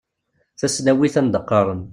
Tasnawit anda qqaren.